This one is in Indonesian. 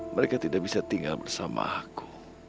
mereka tidak bisa tinggal bersama aku